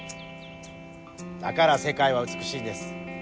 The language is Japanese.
だから世界は美しいんです。